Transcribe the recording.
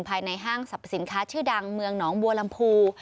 ภายในห้างสรรพสินค้าชื่อดังเมืองหนองบัวลำพู